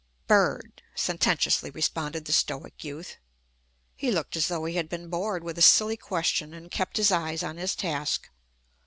"Bird!" sententiously responded the stoic youth. He looked as though he had been bored with a silly question, and kept his eyes on his task.